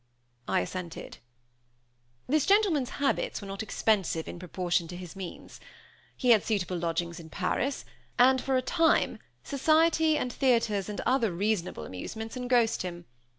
I assented. "This gentleman's habits were not expensive in proportion to his means. He had suitable lodgings in Paris; and for a time, society, and theaters, and other reasonable amusements, engrossed him.